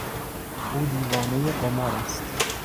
او دیوانهی قمار است.